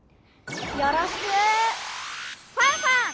よろしくファンファン！